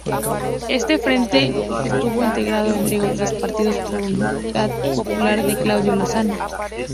Este frente estuvo integrado entre otras partidos por Unidad Popular de Claudio Lozano.